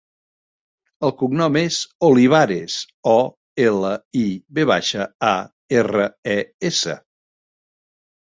El cognom és Olivares: o, ela, i, ve baixa, a, erra, e, essa.